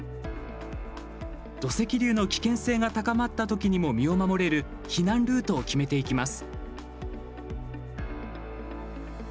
土石流の危険性が高まったときにも身を守れる避難ルートを決めていきます。